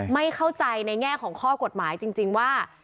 ไม่เข้าใจในแง่ของข้อกฎหมายจริงว่า